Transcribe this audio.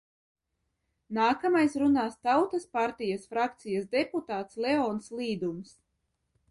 Nākamais runās Tautas partijas frakcijas deputāts Leons Līdums.